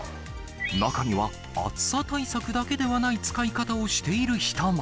中には、暑さ対策だけでない使い方をしている人も。